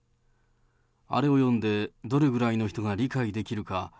あれを読んで、どれぐらいの人が理解できるか。